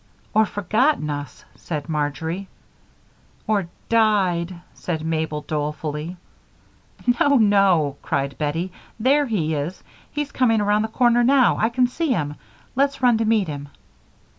"Or forgotten us," said Marjory. "Or died," said Mabel, dolefully. "No no," cried Bettie. "There he is; he's coming around the corner now I can see him. Let's run to meet him."